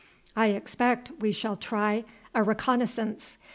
I expect we shall try a reconnaissance.